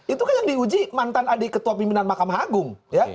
itu kan yang diuji mantan adik ketua pimpinan mahkamah agung